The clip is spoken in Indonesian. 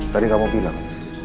tadi kamu bilang